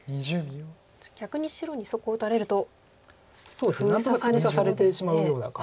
じゃあ逆に白にそこ打たれると。何となく封鎖されてしまうような感じ。